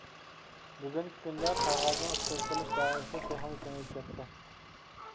بۈگۈنكى كۈندە قەغەزنىڭ ئىشلىتىلىش دائىرىسى تېخىمۇ كېڭىيىپ كەتتى.